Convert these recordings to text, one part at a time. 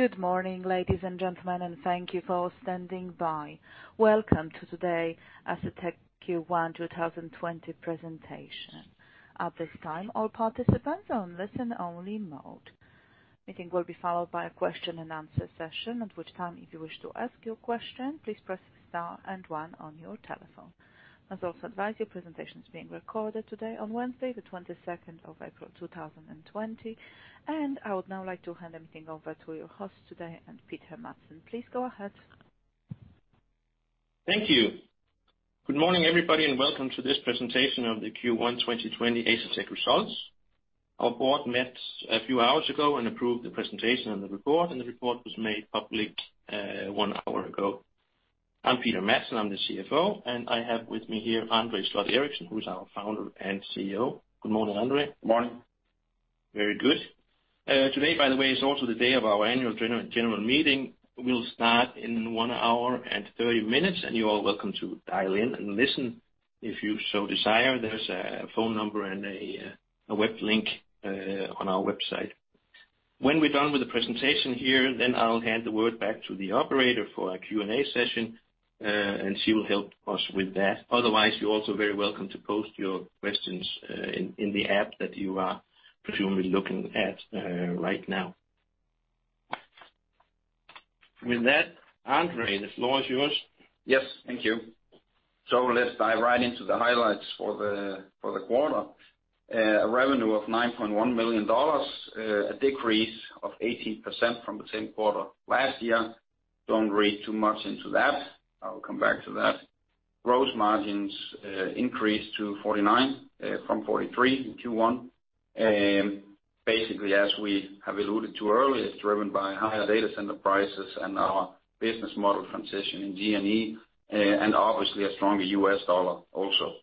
Good morning, ladies and gentlemen, and thank you for standing by. Welcome to today Asetek Q1 2020 Presentation. At this time, all participants are on listen-only mode. Meeting will be followed by a question and answer session, at which time, if you wish to ask your question, please press star and one on your telephone. I'd also advise your presentation is being recorded today on Wednesday, the 22nd of April, 2020. I would now like to hand everything over to your host today, Peter Madsen. Please go ahead. Thank you. Good morning, everybody, and welcome to this presentation of the Q1 2020 Asetek results. Our board met a few hours ago and approved the presentation and the report, and the report was made public one hour ago. I'm Peter Madsen, I'm the CFO, and I have with me here André Sloth Eriksen, who's our founder and CEO. Good morning, André. Morning. Very good. Today, by the way, is also the day of our Annual General Meeting. We'll start in 1 hour and 30 minutes, and you all welcome to dial in and listen if you so desire. There's a phone number and a web link on our website. When we're done with the presentation here, then I'll hand the word back to the operator for our Q&A session, and she will help us with that. Otherwise, you're also very welcome to post your questions in the app that you are presumably looking at right now. With that, André, the floor is yours. Yes. Thank you. Let's dive right into the highlights for the quarter. A revenue of $9.1 million, a decrease of 18% from the same quarter last year. Don't read too much into that. I will come back to that. Gross margins increased to 49% from 43% in Q1. Basically, as we have alluded to earlier, it's driven by higher data center prices and our business model transition in G&E, and obviously a stronger U.S. dollar also.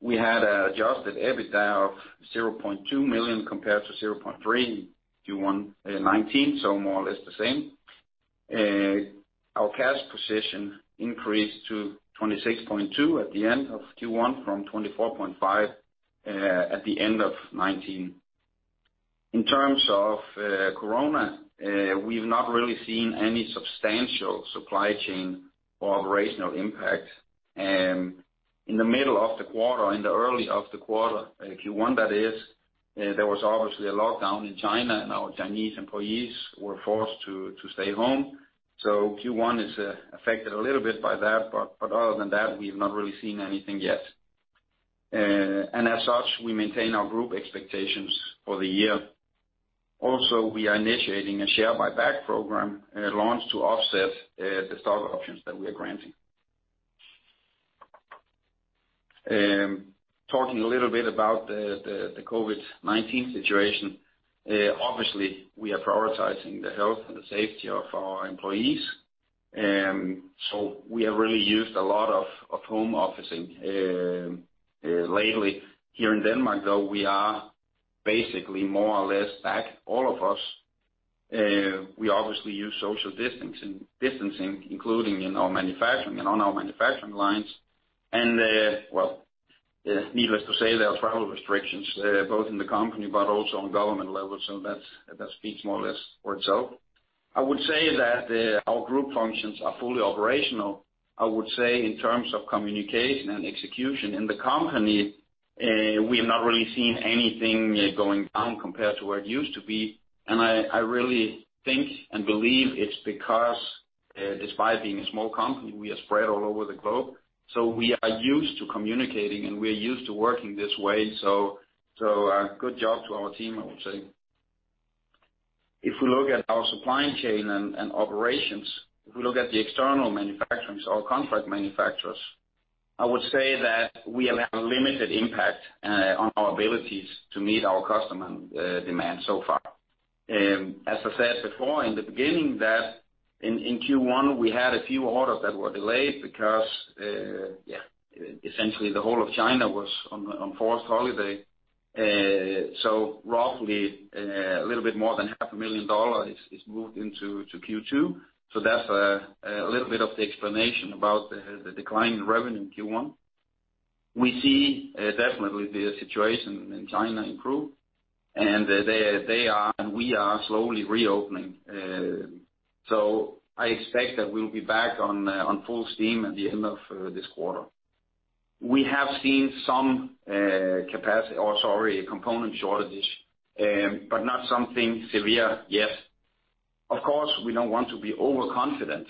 We had an adjusted EBITDA of $0.2 million compared to $0.3 million in Q1 2019, more or less the same. Our cash position increased to $26.2 million at the end of Q1 from $24.5 million at the end of 2019. In terms of Corona, we've not really seen any substantial supply chain or operational impact. In the middle of the quarter, in the early of the quarter, Q1 that is, there was obviously a lockdown in China and our Chinese employees were forced to stay home. Q1 is affected a little bit by that but other than that, we've not really seen anything yet. As such, we maintain our group expectations for the year. Also, we are initiating a share buyback program launch to offset the stock options that we are granting. Talking a little bit about the COVID-19 situation. Obviously, we are prioritizing the health and the safety of our employees. We have really used a lot of home officing lately. Here in Denmark, though, we are basically more or less back, all of us. We obviously use social distancing, including in our manufacturing and on our manufacturing lines. Well, needless to say, there are travel restrictions both in the company but also on government levels, so that speaks more or less for itself. I would say that our group functions are fully operational. I would say in terms of communication and execution in the company, we have not really seen anything going down compared to where it used to be. I really think and believe it's because, despite being a small company, we are spread all over the globe. We are used to communicating, and we are used to working this way. A good job to our team, I would say. If we look at our supply chain and operations, if we look at the external manufacturers or contract manufacturers, I would say that we have had a limited impact on our abilities to meet our customer demand so far. As I said before in the beginning that in Q1, we had a few orders that were delayed because essentially the whole of China was on forced holiday. Roughly, a little bit more than half a million dollars is moved into Q2. That's a little bit of the explanation about the decline in revenue in Q1. We see definitely the situation in China improve, and they are and we are slowly reopening. I expect that we'll be back on full steam at the end of this quarter. We have seen some component shortages, but not something severe yet. Of course, we don't want to be overconfident.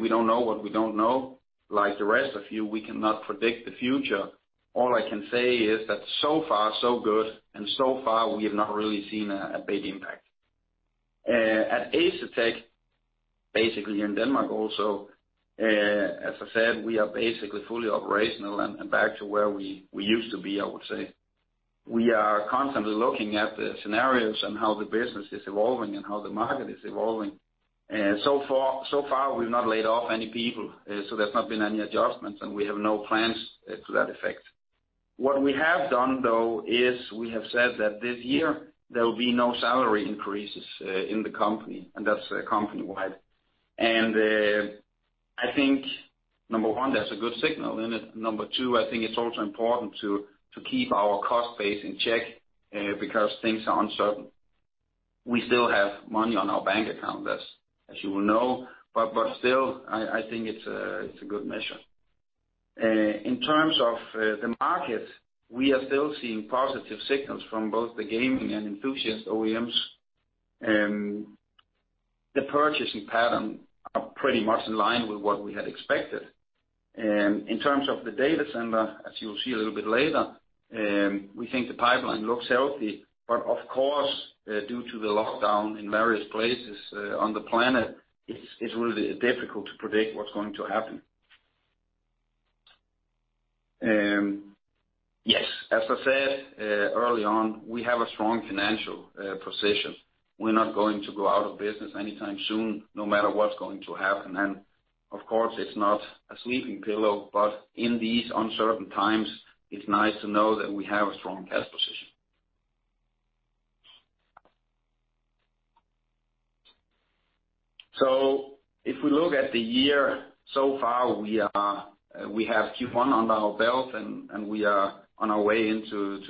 We don't know what we don't know. Like the rest of you, we cannot predict the future. All I can say is that so far so good, and so far we have not really seen a big impact. At Asetek, basically in Denmark also, as I said, we are basically fully operational and back to where we used to be, I would say. We are constantly looking at the scenarios and how the business is evolving and how the market is evolving. Far, we've not laid off any people, so there's not been any adjustments, and we have no plans to that effect. What we have done, though, is we have said that this year, there will be no salary increases in the company, and that's company-wide. I think, number one, that's a good signal. Number two, I think it's also important to keep our cost base in check because things are uncertain. We still have money in our bank account, as you will know, but still, I think it's a good measure. In terms of the market, we are still seeing positive signals from Gaming & Enthusiast OEMs. the purchasing pattern are pretty much in line with what we had expected. In terms of the data center, as you'll see a little bit later, we think the pipeline looks healthy, but of course, due to the lockdown in various places on the planet, it's really difficult to predict what's going to happen. Yes, as I said early on, we have a strong financial position. We're not going to go out of business anytime soon, no matter what's going to happen. Of course, it's not a sleeping pillow, but in these uncertain times, it's nice to know that we have a strong cash position. If we look at the year so far, we have Q1 under our belt, and we are on our way into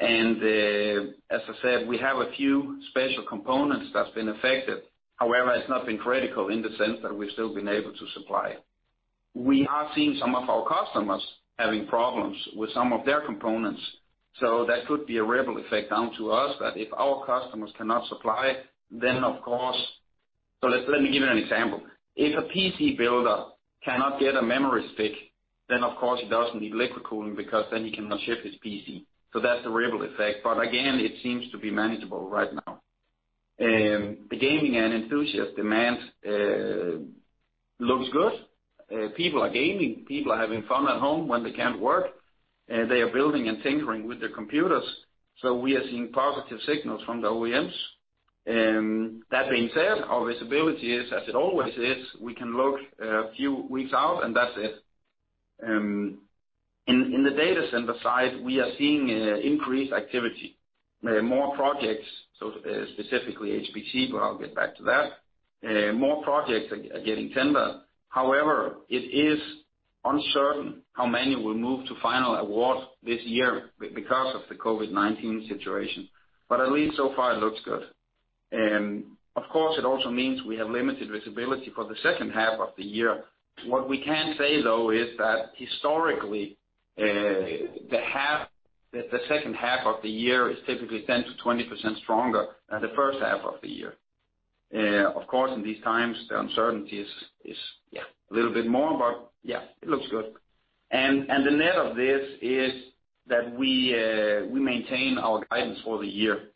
mid-Q2. As I said, we have a few special components that's been affected. However, it's not been critical in the sense that we've still been able to supply. We are seeing some of our customers having problems with some of their components, that could be a ripple effect down to us, that if our customers cannot supply. Let me give you an example. If a PC builder cannot get a memory stick, then of course he doesn't need liquid cooling because then he cannot ship his PC. That's the ripple effect. Again, it seems to be manageable right Gaming & Enthusiast demand looks good. People are gaming. People are having fun at home when they can't work. They are building and tinkering with their computers. We are seeing positive signals from the OEMs. That being said, our visibility is as it always is. We can look a few weeks out, and that's it. In the data center side, we are seeing increased activity, more projects, so specifically HPC, but I'll get back to that. More projects are getting tender. However, it is uncertain how many will move to final award this year because of the COVID-19 situation. At least so far it looks good. Of course, it also means we have limited visibility for the second half of the year. What we can say, though, is that historically, the second half of the year is typically 10%-20% stronger than the first half of the year. Of course, in these times, the uncertainty is a little bit more, but yeah, it looks good. The net of this is that we maintain our guidance for the year.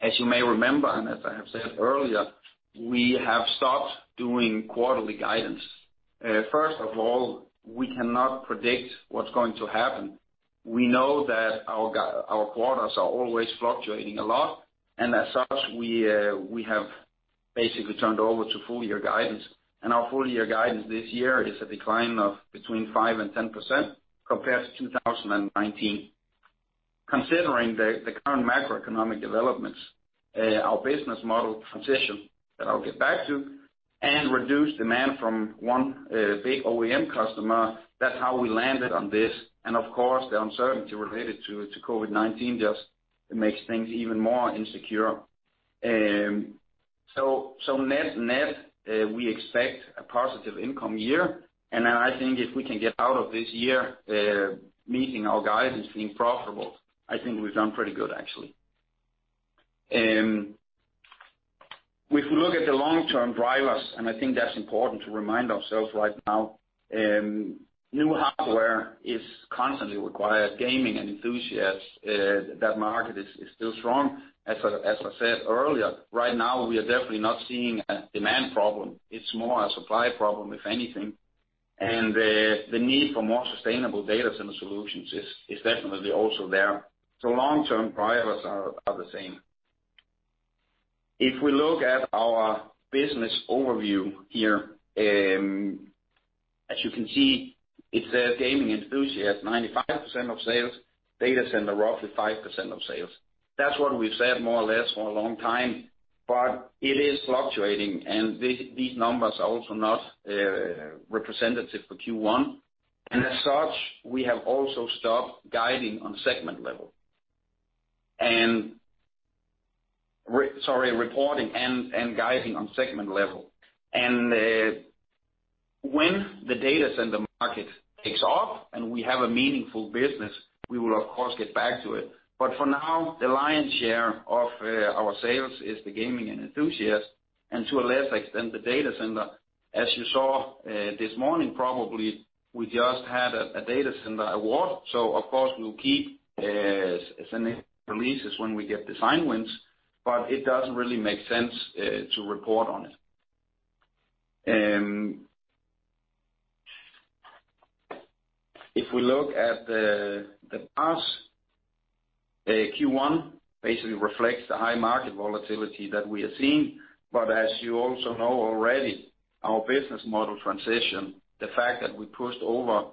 As you may remember, and as I have said earlier, we have stopped doing quarterly guidance. First of all, we cannot predict what's going to happen. We know that our quarters are always fluctuating a lot, and as such, we have basically turned over to full year guidance. Our full year guidance this year is a decline of between 5% and 10% compared to 2019. Considering the current macroeconomic developments, our business model transition that I'll get back to, and reduced demand from one big OEM customer, that's how we landed on this. Of course, the uncertainty related to COVID-19 just makes things even more insecure. Net-net, we expect a positive income year. I think if we can get out of this year meeting our guidance being profitable, I think we've done pretty good, actually. If we look at the long-term drivers, and I think that's important to remind ourselves right now, new hardware is Gaming & Enthusiasts, that market is still strong. As I said earlier, right now, we are definitely not seeing a demand problem. It's more a supply problem, if anything. The need for more sustainable data center solutions is definitely also there. Long-term drivers are the same. If we look at our business overview here, as you can Gaming & Enthusiasts, 95% of sales, data center, roughly 5% of sales. That's what we've said more or less for a long time, but it is fluctuating, and these numbers are also not representative for Q1. As such, we have also stopped guiding on segment level. Sorry, reporting and guiding on segment level. When the data center market takes off and we have a meaningful business, we will of course, get back to it. For now, the lion's share of our sales Gaming & Enthusiasts, and to a lesser extent, the data center. As you saw this morning, probably, we just had a data center award. Of course, we'll keep sending releases when we get the sign wins, but it doesn't really make sense to report on it. If we look at the past, Q1 basically reflects the high market volatility that we are seeing. As you also know already, our business model transition, the fact that we pushed over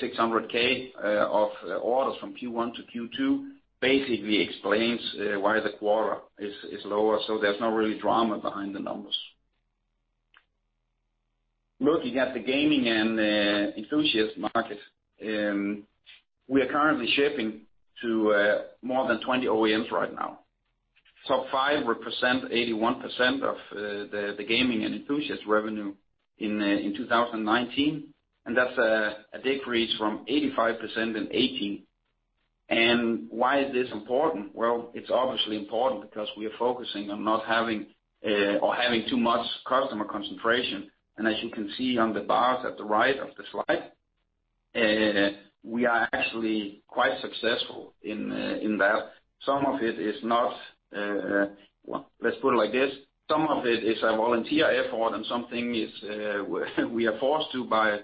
600,000 of orders from Q1 to Q2 basically explains why the quarter is lower. There's no really drama behind the numbers. Looking Gaming & Enthusiasts market, we are currently shipping to more than 20 OEMs right now. Top five represent 81% Gaming & Enthusiast revenue in 2019, that's a decrease from 85% in 2018. Why is this important? Well, it's obviously important because we are focusing on not having or having too much customer concentration. As you can see on the bars at the right of the slide, we are actually quite successful in that. Let's put it like this, some of it is a volunteer effort and something is we are forced to by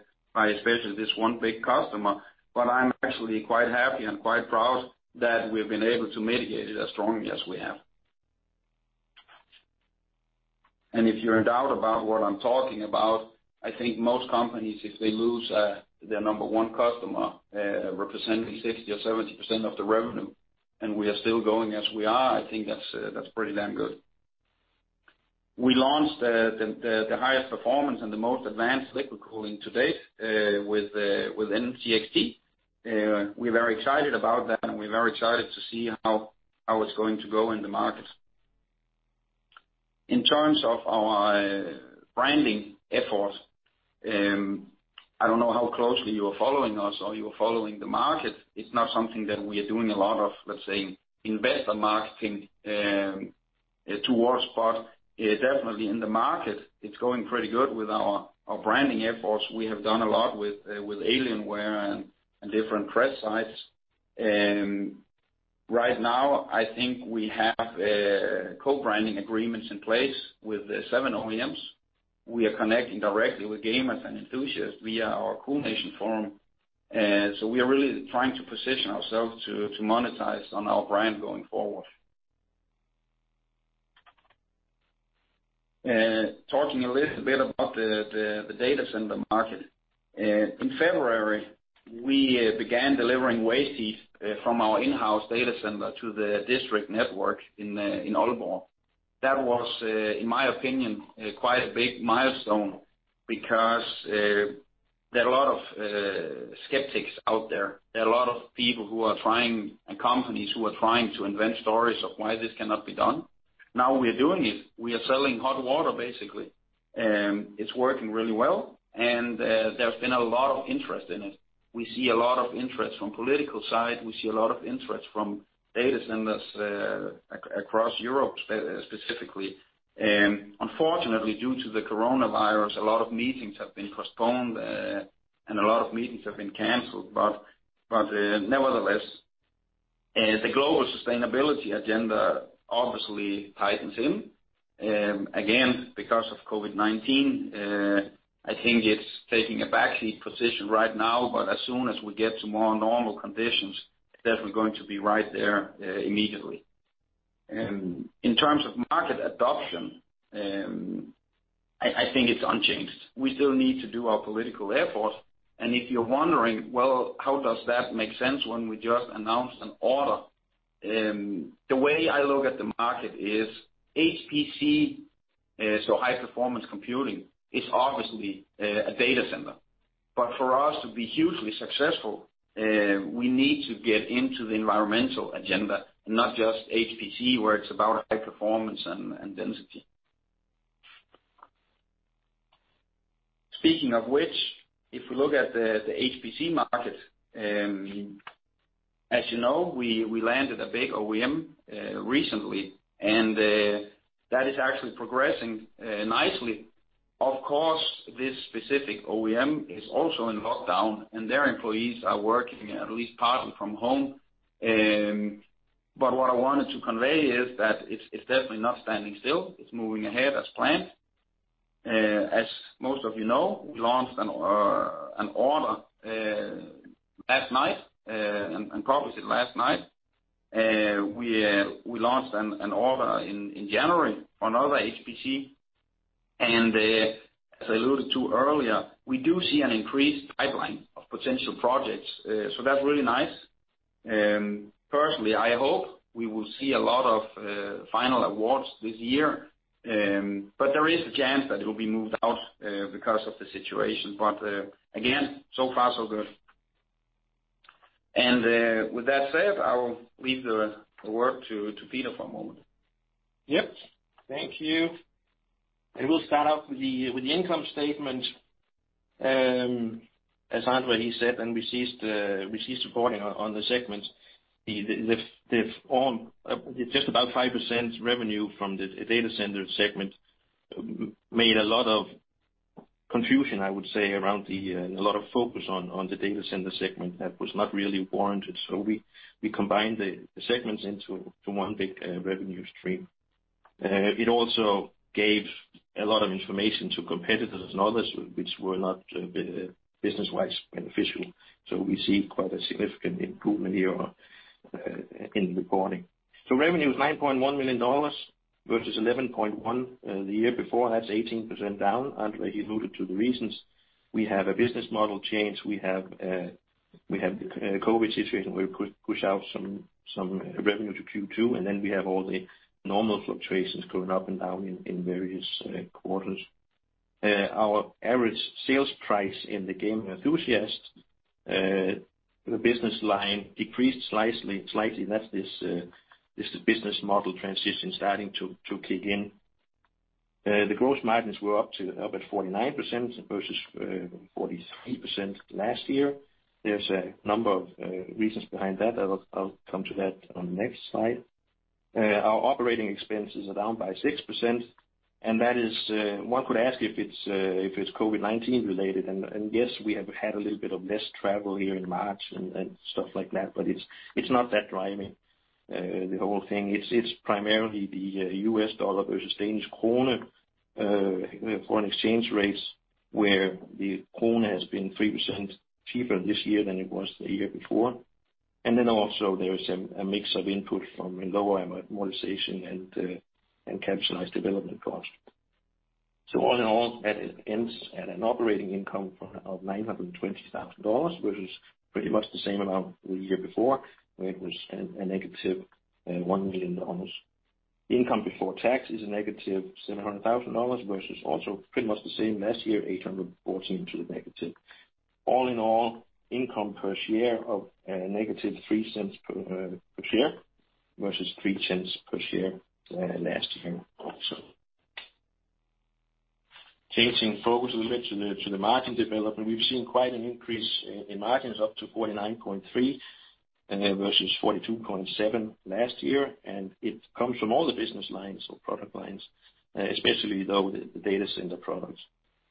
especially this one big customer. I'm actually quite happy and quite proud that we've been able to mitigate it as strongly as we have. If you're in doubt about what I'm talking about, I think most companies, if they lose their number one customer, representing 60% or 70% of the revenue, and we are still going as we are, I think that's pretty damn good. We launched the highest performance and the most advanced liquid cooling to date, with NZXT. We're very excited about that, and we're very excited to see how it's going to go in the market. In terms of our branding effort, I don't know how closely you are following us or you are following the market. It's not something that we are doing a lot of, let's say, investor marketing towards, but definitely in the market, it's going pretty good with our branding efforts. We have done a lot with Alienware and different press sites. Right now, I think we have co-branding agreements in place with seven OEMs. We are connecting Gaming & Enthusiasts via our CoolNation forum. We are really trying to position ourselves to monetize on our brand going forward. Talking a little bit about the data center market. In February, we began delivering waste heat from our in-house data center to the district network in Aalborg. That was, in my opinion, quite a big milestone because there are a lot of skeptics out there. There are a lot of people and companies who are trying to invent stories of why this cannot be done. Now we are doing it. We are selling hot water, basically. It's working really well, and there's been a lot of interest in it. We see a lot of interest from political side. We see a lot of interest from data centers across Europe, specifically. Unfortunately, due to the Coronavirus, a lot of meetings have been postponed, and a lot of meetings have been canceled. Nevertheless, the global sustainability agenda obviously tightens in. Because of COVID-19, I think it's taking a backseat position right now, but as soon as we get to more normal conditions, it's definitely going to be right there immediately. In terms of market adoption, I think it's unchanged. We still need to do our political effort, and if you're wondering, well, how does that make sense when we just announced an order? The way I look at the market is HPC, so high performance computing, is obviously a data center. For us to be hugely successful, we need to get into the environmental agenda, not just HPC, where it's about high performance and density. Speaking of which, if we look at the HPC market, as you know, we landed a big OEM recently, and that is actually progressing nicely. Of course, this specific OEM is also in lockdown, and their employees are working at least partly from home. What I wanted to convey is that it's definitely not standing still. It's moving ahead as planned. As most of you know, we launched an order last night and published it last night. We launched an order in January for another HPC, and as I alluded to earlier, we do see an increased pipeline of potential projects. That's really nice. Personally, I hope we will see a lot of final awards this year, but there is a chance that it will be moved out because of the situation. Again, so far so good. With that said, I will leave the work to Peter for a moment. Yep. Thank you. I will start off with the income statement. As André said, we ceased reporting on the segment. Just about 5% revenue from the data center segment made a lot of confusion, I would say, a lot of focus on the data center segment that was not really warranted. We combined the segments into one big revenue stream. It also gave a lot of information to competitors and others, which were not business-wise beneficial. We see quite a significant improvement here in reporting. Revenue is $9.1 million versus $11.1 million the year before. That's 18% down. André alluded to the reasons. We have a business model change. We have the COVID situation where we push out some revenue to Q2, and then we have all the normal fluctuations going up and down in various quarters. Our average sales Gaming & Enthusiast, the business line decreased slightly. That's this business model transition starting to kick in. The gross margins were up at 49% versus 43% last year. There's a number of reasons behind that. I'll come to that on the next slide. Our operating expenses are down by 6%, and one could ask if it's COVID-19 related, and yes, we have had a little bit of less travel here in March and stuff like that, but it's not that driving the whole thing. It's primarily the U.S. dollar versus Danish krone foreign exchange rates, where the krone has been 3% cheaper this year than it was the year before. Then also there is a mix of input from a lower amortization and capitalized development cost. All in all, that ends at an operating income of $920,000, which is pretty much the same amount the year before, where it was a -$1 million. Income before tax is a -$700,000, which is also pretty much the same last year, -$814,000. All in all, income per share of -$0.03 per share versus $0.03 per share last year also. Changing focus a little bit to the margin development, we've seen quite an increase in margins up to 49.3% versus 42.7% last year, and it comes from all the business lines or product lines, especially, though, the data center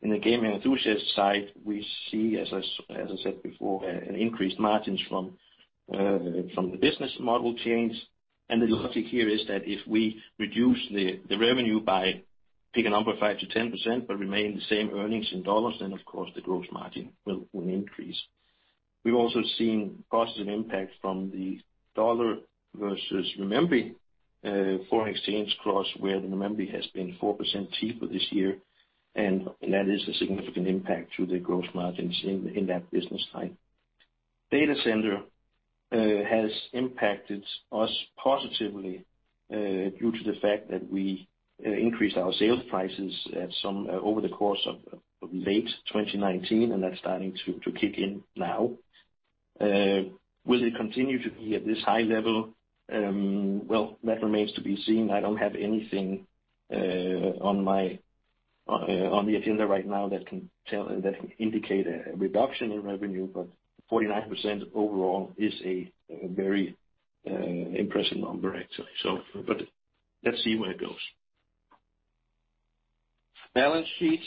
Gaming & Enthusiast side, we see, as I said before, an increased margins from the business model change. The logic here is that if we reduce the revenue by, pick a number, 5%-10%, but remain the same earnings in dollars, then of course the gross margin will increase. We've also seen positive impact from the dollar versus renminbi foreign exchange cross where the renminbi has been 4% cheaper this year, and that is a significant impact to the gross margins in that business line. Data center has impacted us positively due to the fact that we increased our sales prices over the course of late 2019, and that's starting to kick in now. Will it continue to be at this high level? Well, that remains to be seen. I don't have anything on the agenda right now that can indicate a reduction in revenue, but 49% overall is a very impressive number, actually. Let's see where it goes. Balance sheets.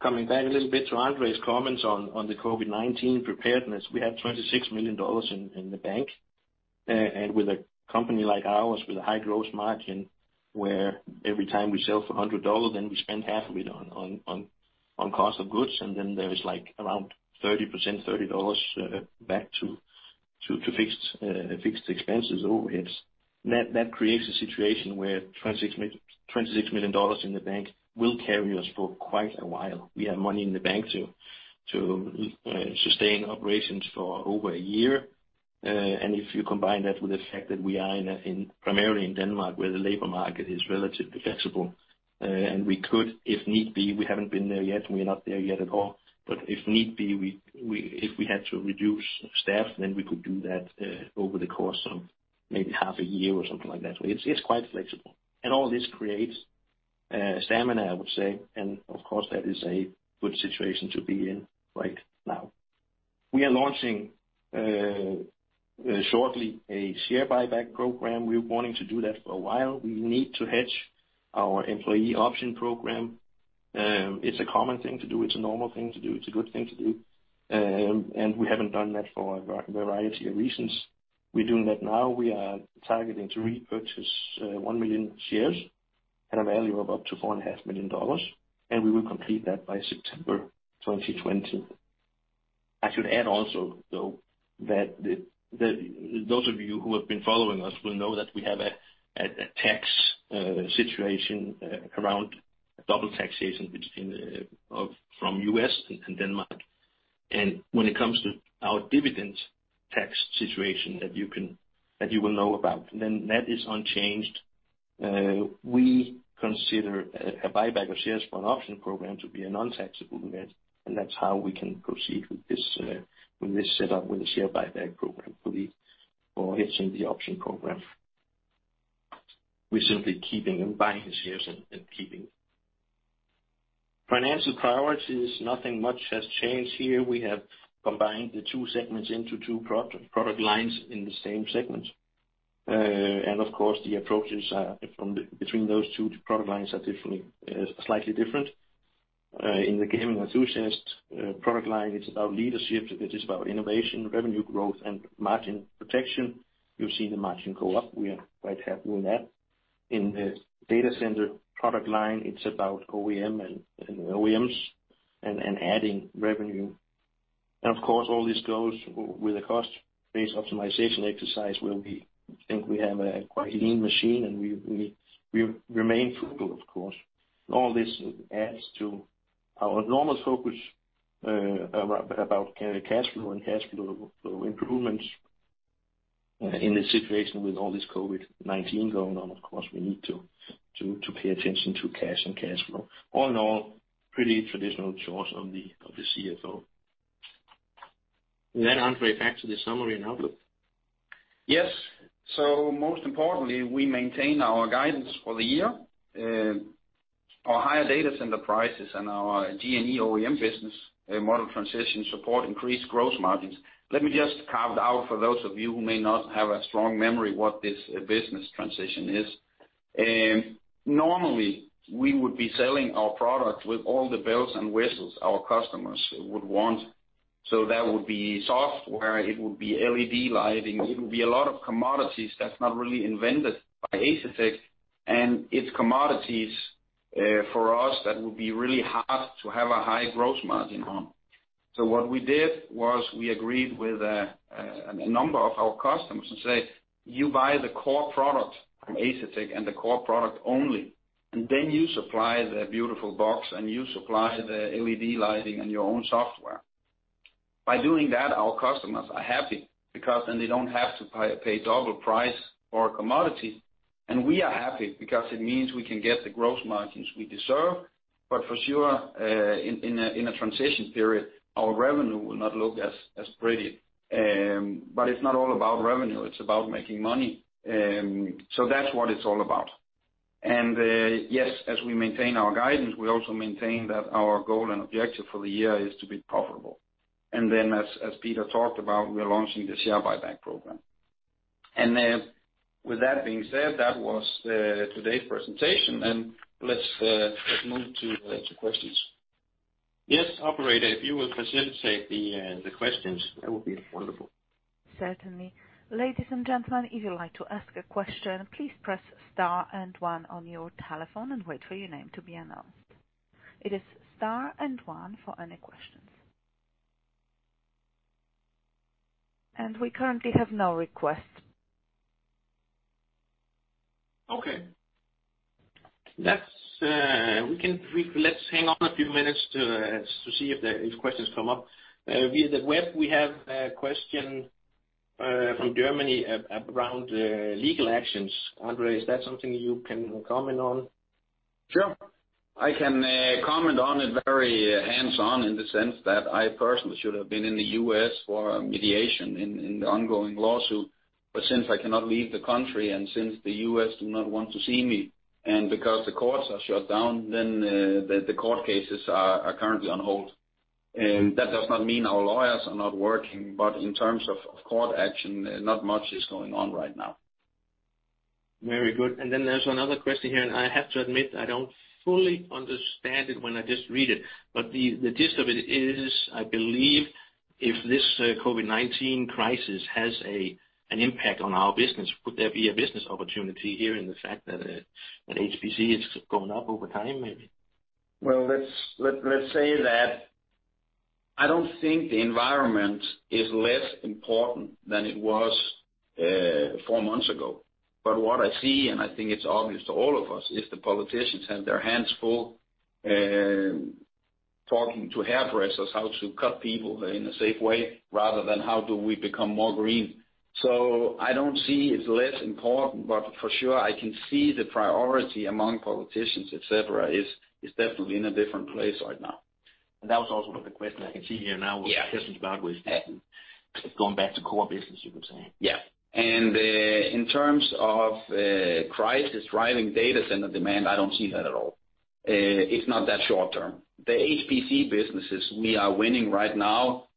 Coming back a little bit to André's comments on the COVID-19 preparedness. We have $26 million in the bank. With a company like ours, with a high gross margin, where every time we sell for $100, then we spend half of it on cost of goods, and then there is around 30%, $30 back to fixed expenses overheads. That creates a situation where $26 million in the bank will carry us for quite a while. We have money in the bank to sustain operations for over a year. If you combine that with the fact that we are primarily in Denmark where the labor market is relatively flexible, and we could, if need be, we haven't been there yet, and we are not there yet at all, but if need be, if we had to reduce staff, then we could do that over the course of maybe half a year or something like that. It's quite flexible. All this creates stamina, I would say, and of course, that is a good situation to be in right now. We are launching, shortly, a share buyback program. We're wanting to do that for a while. We need to hedge our employee option program. It's a common thing to do. It's a normal thing to do. It's a good thing to do. We haven't done that for a variety of reasons. We're doing that now. We are targeting to repurchase one million shares at a value of up to $4.5 million. We will complete that by September 2020. I should add also, though, that those of you who have been following us will know that we have a tax situation around double taxation between from U.S. and Denmark. When it comes to our dividend tax situation that you will know about, then that is unchanged. We consider a buyback of shares for an option program to be a non-taxable event, and that's how we can proceed with this setup with a share buyback program for hedging the option program. We're simply buying the shares and keeping them. Financial priorities. Nothing much has changed here. We have combined the two segments into two product lines in the same segment. Of course, the approaches between those two product lines are slightly different. Gaming & Enthusiast product line, it's about leadership, it is about innovation, revenue growth, and margin protection. You see the margin go up. We are quite happy with that. In the data center product line, it's about OEM and OEMs and adding revenue. Of course, all this goes with a cost-based optimization exercise where we think we have a quite lean machine, and we remain frugal, of course. All this adds to our enormous focus about cash flow and cash flow improvements in this situation. With all this COVID-19 going on, of course, we need to pay attention to cash and cash flow. All in all, pretty traditional chores of the CFO. André, back to the summary and outlook. Yes. Most importantly, we maintain our guidance for the year. Our higher data center prices and our G&E OEM business model transition support increased gross margins. Let me just carve it out for those of you who may not have a strong memory what this business transition is. Normally, we would be selling our product with all the bells and whistles our customers would want. That would be software, it would be LED lighting, it would be a lot of commodities that's not really invented by Asetek, and it's commodities for us that would be really hard to have a high gross margin on. What we did was we agreed with a number of our customers to say, "You buy the core product from Asetek and the core product only, and then you supply the beautiful box, and you supply the LED lighting and your own software." By doing that, our customers are happy because then they don't have to pay double price for a commodity. We are happy because it means we can get the gross margins we deserve. For sure, in a transition period, our revenue will not look as pretty. It's not all about revenue, it's about making money. That's what it's all about. Yes, as we maintain our guidance, we also maintain that our goal and objective for the year is to be profitable. Then as Peter talked about, we are launching the share buyback program. With that being said, that was today's presentation, and let's move to questions. Yes, operator, if you will facilitate the questions, that would be wonderful. Certainly. Ladies and gentlemen, if you'd like to ask a question, please press star and one on your telephone and wait for your name to be announced. It is star and one for any questions. We currently have no requests. Let's hang on a few minutes to see if questions come up. Via the web, we have a question from Germany around legal actions. André, is that something you can comment on? Sure. I can comment on it very hands-on in the sense that I personally should have been in the U.S. for a mediation in the ongoing lawsuit, but since I cannot leave the country and since the U.S. do not want to see me, and because the courts are shut down, then the court cases are currently on hold. That does not mean our lawyers are not working. In terms of court action, not much is going on right now. Very good. Then there's another question here, and I have to admit, I don't fully understand it when I just read it, but the gist of it is, I believe, if this COVID-19 crisis has an impact on our business, could there be a business opportunity here in the fact that HPC is going up over time, maybe? Well, let's say that I don't think the environment is less important than it was four months ago. What I see, and I think it's obvious to all of us, is the politicians have their hands full, talking to hairdressers how to cut people in a safe way, rather than how do we become more green. I don't see it's less important, but for sure, I can see the priority among politicians, et cetera, is definitely in a different place right now. That was also the question I can see here now. Yeah Was questions about going back to core business, you could say. Yeah. In terms of crisis driving data center demand, I don't see that at all. It's not that short-term. The HPC businesses we are winning right now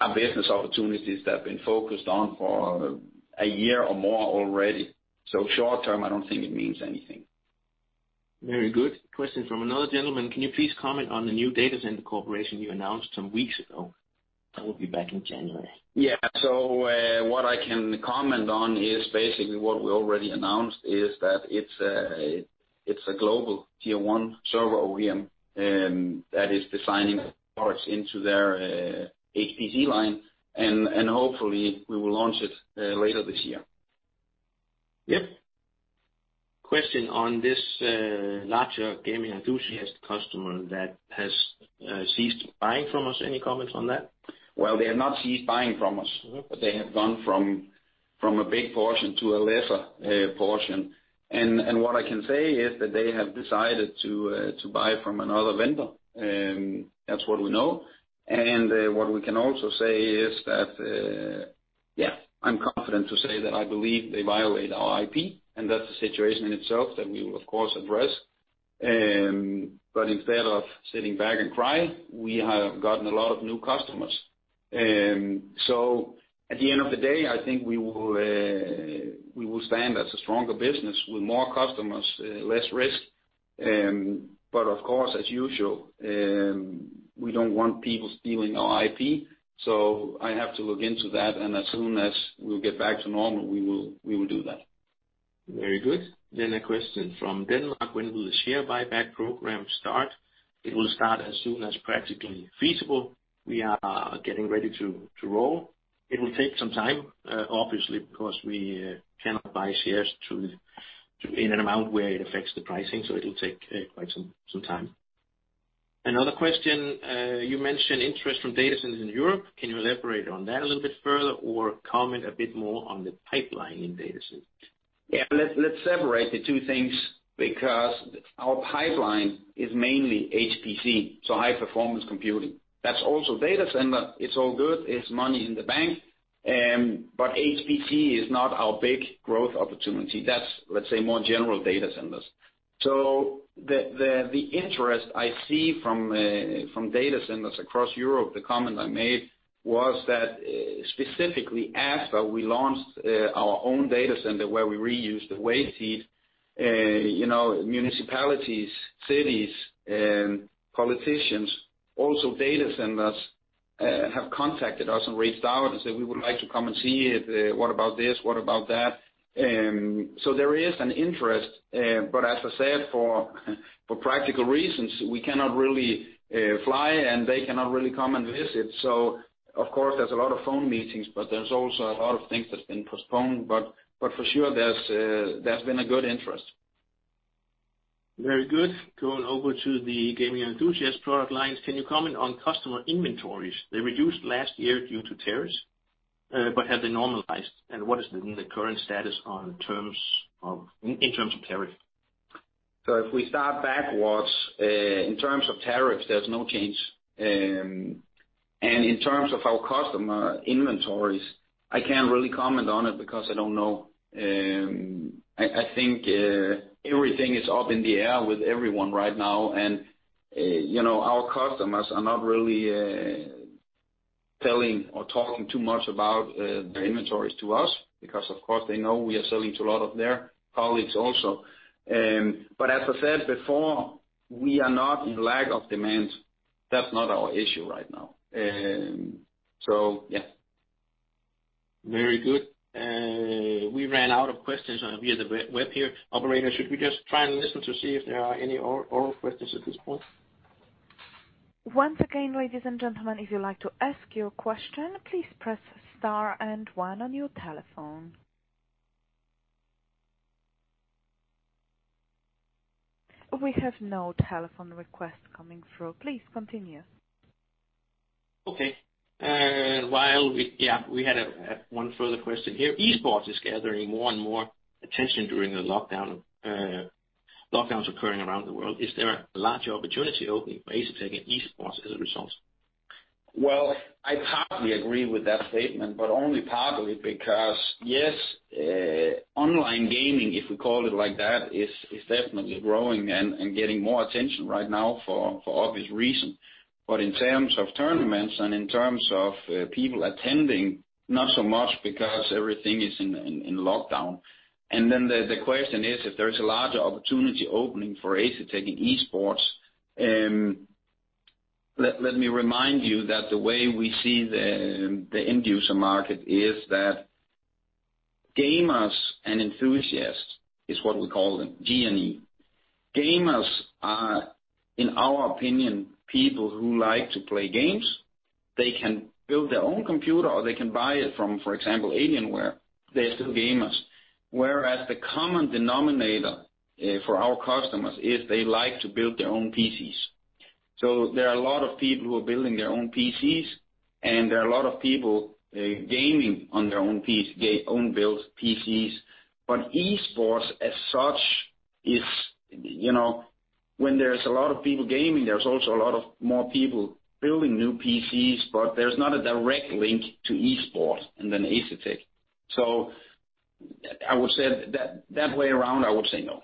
are business opportunities that have been focused on for a year or more already. Short-term, I don't think it means anything. Very good. Question from another gentleman. Can you please comment on the new data center corporation you announced some weeks ago? That will be back in January. Yeah. What I can comment on is basically what we already announced, is that it's a global Tier 1 server OEM that is designing products into their HPC line, and hopefully we will launch it later this year. Yep. Question on this larger gaming enthusiast customer that has ceased buying from us? Any comments on that? Well, they have not ceased buying from us. They have gone from a big portion to a lesser portion. What I can say is that they have decided to buy from another vendor. That's what we know. What we can also say is that I'm confident to say that I believe they violate our IP, and that's the situation in itself that we will, of course, address. Instead of sitting back and cry, we have gotten a lot of new customers. At the end of the day, I think we will stand as a stronger business with more customers, less risk. Of course, as usual, we don't want people stealing our IP, so I have to look into that, and as soon as we get back to normal, we will do that. Very good. A question from Denmark: when will the share buyback program start? It will start as soon as practically feasible. We are getting ready to roll. It will take some time, obviously, because we cannot buy shares in an amount where it affects the pricing, so it'll take quite some time. Another question, you mentioned interest from data centers in Europe. Can you elaborate on that a little bit further, or comment a bit more on the pipeline in data centers? Yeah, let's separate the two things, because our pipeline is mainly HPC, so high performance computing. That is also data center. It is all good. It is money in the bank. HPC is not our big growth opportunity. That is, let's say, more general data centers. The interest I see from data centers across Europe, the comment I made was that specifically after we launched our own data center, where we reuse the waste heat, municipalities, cities, and politicians, also data centers, have contacted us and reached out and said, "We would like to come and see it. What about this? What about that?" There is an interest. As I said, for practical reasons, we cannot really fly, and they cannot really come and visit. Of course, there is a lot of phone meetings, but there is also a lot of things that's been postponed. For sure, there's been a good interest. Very good. Going Gaming & Enthusiast product lines, can you comment on customer inventories? They reduced last year due to tariffs. Have they normalized? What is the current status in terms of tariff? If we start backwards, in terms of tariffs, there's no change. In terms of our customer inventories, I can't really comment on it because I don't know. I think everything is up in the air with everyone right now, and our customers are not really telling or talking too much about their inventories to us because, of course, they know we are selling to a lot of their colleagues also. As I said before, we are not in lack of demand. That's not our issue right now. Yeah. Very good. We ran out of questions via the web here. Operator, should we just try and listen to see if there are any oral questions at this point? Once again, ladies and gentlemen, if you'd like to ask your question, please press star and one on your telephone. We have no telephone requests coming through. Please continue. We had one further question here. Esports is gathering more and more attention during the lockdowns occurring around the world. Is there a larger opportunity opening for Asetek in Esports as a result? Well, I partly agree with that statement, but only partly because, yes, online gaming, if we call it like that, is definitely growing and getting more attention right now for obvious reasons. In terms of tournaments and in terms of people attending, not so much because everything is in lockdown. The question is if there's a larger opportunity opening for Asetek in Esports. Let me remind you that the way we see the end user market is that gamers and enthusiasts, is what we call them, G&E. Gamers are, in our opinion, people who like to play games. They can build their own computer or they can buy it from, for example, Alienware. They're still gamers. Whereas the common denominator for our customers is they like to build their own PCs. There are a lot of people who are building their own PCs, and there are a lot of people gaming on their own build PCs. Esports as such is when there's a lot of people gaming, there's also a lot more people building new PCs, but there's not a direct link to Esports and then Asetek. I would say that way around, I would say no.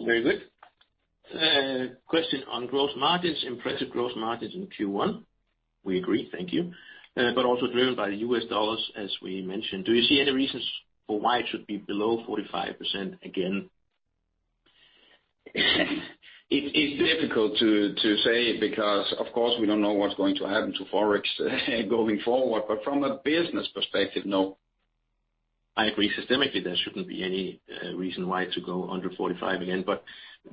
Very good. Question on gross margins, impressive gross margins in Q1. We agree. Thank you. Also driven by the U.S. dollars, as we mentioned. Do you see any reasons for why it should be below 45% again? It's difficult to say because, of course, we don't know what's going to happen to Forex going forward. From a business perspective, no. I agree. Systemically, there shouldn't be any reason why to go under 45 again.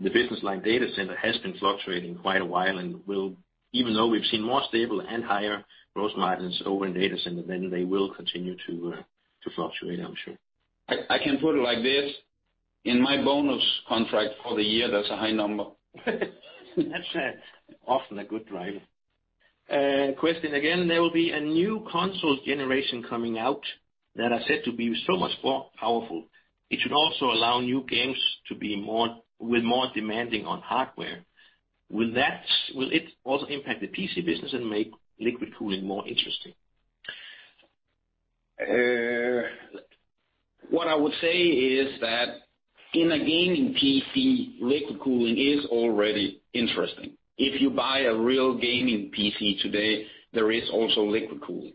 The business line data center has been fluctuating quite a while, and even though we've seen more stable and higher gross margins over in data center, then they will continue to fluctuate, I'm sure. I can put it like this. In my bonus contract for the year, that's a high number. That's often a good driver. Question again, there will be a new console generation coming out that are said to be so much more powerful. It should also allow new games to be more demanding on hardware. Will it also impact the PC business and make liquid cooling more interesting? What I would say is that in a gaming PC, liquid cooling is already interesting. If you buy a real gaming PC today, there is also liquid cooling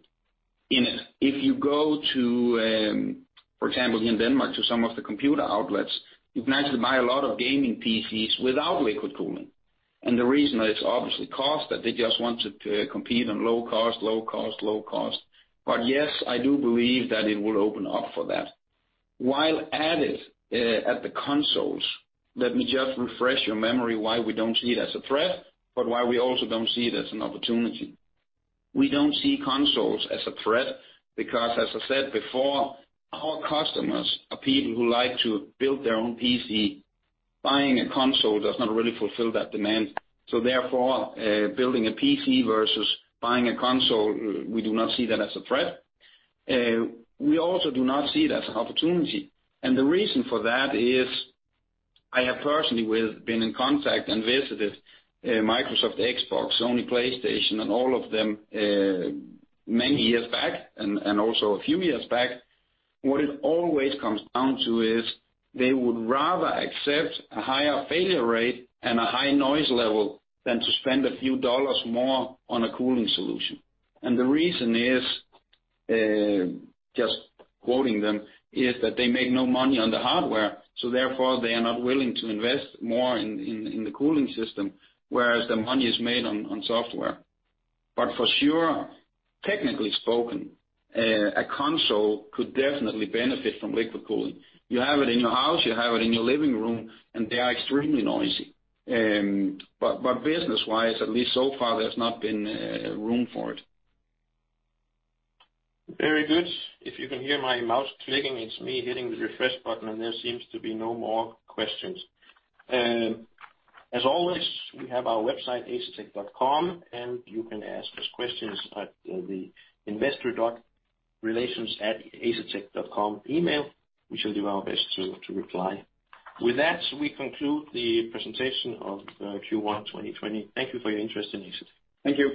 in it. If you go to, for example, here in Denmark, to some of the computer outlets, you can actually buy a lot of gaming PCs without liquid cooling. The reason is obviously cost, that they just want to compete on low cost. Yes, I do believe that it will open up for that. While at it, at the consoles, let me just refresh your memory why we don't see it as a threat, but why we also don't see it as an opportunity. We don't see consoles as a threat because, as I said before, our customers are people who like to build their own PC. Buying a console does not really fulfill that demand. Therefore, building a PC versus buying a console, we do not see that as a threat. We also do not see it as an opportunity. The reason for that is I have personally been in contact and visited Microsoft Xbox, Sony PlayStation, and all of them many years back and also a few years back. What it always comes down to is they would rather accept a higher failure rate and a high noise level than to spend a few dollars more on a cooling solution. The reason is, just quoting them, is that they make no money on the hardware, therefore they are not willing to invest more in the cooling system, whereas the money is made on software. For sure, technically spoken, a console could definitely benefit from liquid cooling. You have it in your house, you have it in your living room, and they are extremely noisy. Business-wise, at least so far, there's not been room for it. Very good. If you can hear my mouse clicking, it's me hitting the refresh button, and there seems to be no more questions. As always, we have our website, asetek.com, and you can ask us questions at the investorrelations@asetek.com email. We shall do our best to reply. With that, we conclude the presentation of Q1 2020. Thank you for your interest in Asetek. Thank you.